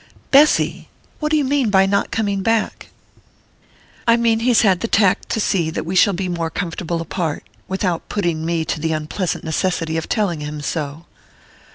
"Bessy! What do you mean by not coming back?" "I mean he's had the tact to see that we shall be more comfortable apart without putting me to the unpleasant necessity of telling him so."